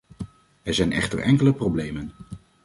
Er zijn echter enkele problemen.